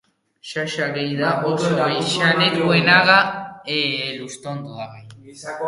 Semeak egiten zuen edozerk bere onetik ateratzen zuen.